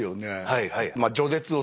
はいはい。